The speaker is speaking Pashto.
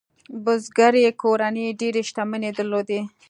بزګري کورنۍ ډېرې شتمنۍ درلودې.